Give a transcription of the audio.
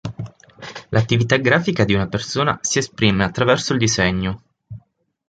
L'attività grafica di una persona si esprime attraverso il "disegno".